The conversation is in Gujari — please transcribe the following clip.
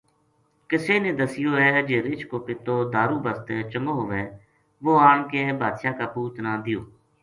کسے نے دسیو ہے جی رچھ کو پِتو دارو بسطے چنگو ہوئے وہ آن کے بادشاہ کا پوت نا دیوں